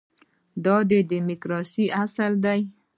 دا د ډیموکراسۍ اصل دی.